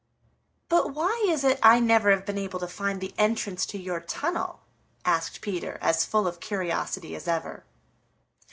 "But why is it I never have been able to find the entrance to your tunnel?" asked Peter, as full of curiosity as ever.